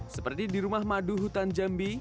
seperti di rumah madu hutan jambi